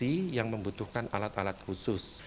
ini adalah lantai yang membutuhkan alat alat khusus